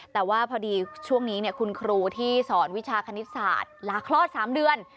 แต่ว่าพอดีช่วงนี้คุณครูที่สอนวิชาคณิตศาสตร์ลาคลอด๓เดือน